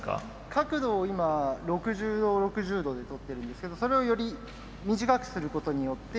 角度を今６０度６０度でとってるんですけどそれをより短くすることによって。